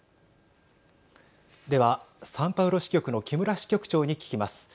では、サンパウロ支局の木村支局長に聞きます。